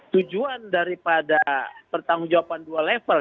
tujuan daripada pertanggung jawaban dua level